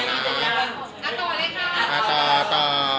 รรรอต่อต่อ